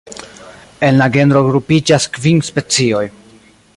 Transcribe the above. En la genro grupiĝas kvin specioj.